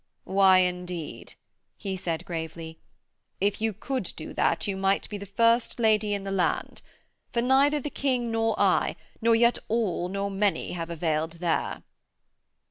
'Why, indeed,' he said, gravely, 'if you could do that you might be the first lady in the land, for neither the King nor I, nor yet all nor many have availed there.'